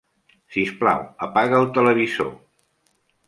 Sisplau, apaga el televisor.